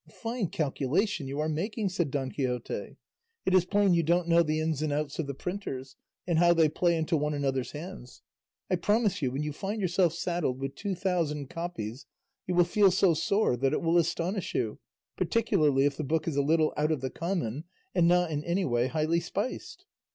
"A fine calculation you are making!" said Don Quixote; "it is plain you don't know the ins and outs of the printers, and how they play into one another's hands. I promise you when you find yourself saddled with two thousand copies you will feel so sore that it will astonish you, particularly if the book is a little out of the common and not in any way highly spiced."